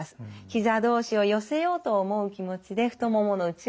ひざ同士を寄せようと思う気持ちで太ももの内側が使えます。